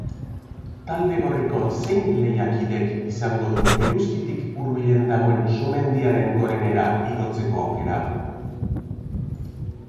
Talde gorriko zein lehiakidek izango du eguzkitik hurbilen dagoen sumendiaren gorenera igotzeko aukera?